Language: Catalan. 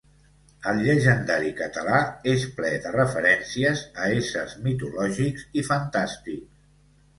El llegendari català és ple de referències a éssers mitològics i fantàstics.